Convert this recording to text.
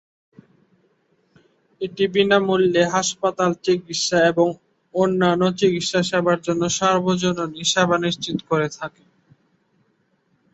এটি বিনামূল্যে হাসপাতালে চিকিৎসা এবং অন্যান্য চিকিৎসা সেবার জন্য সার্বজনীন সেবা নিশ্চিত করে থাকে।